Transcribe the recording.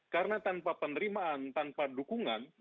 karena tanpa penerimaan tanpa dukungan